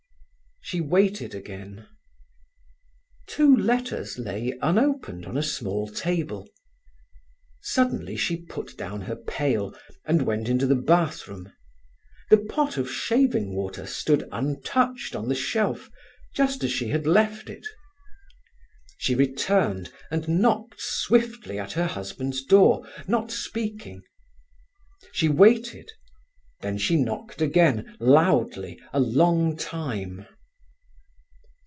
She waited again. Two letters lay unopened on a small table. Suddenly she put down her pail and went into the bathroom. The pot of shaving water stood untouched on the shelf, just as she had left it. She returned and knocked swiftly at her husband's door, not speaking. She waited, then she knocked again, loudly, a long time.